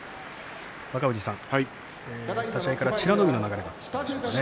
若藤さん、立ち合いから美ノ海の流れでしたね。